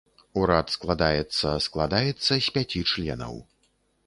Урад складаецца складаецца з пяці членаў.